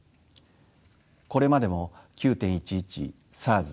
これまでも９．１１ＳＡＲＳ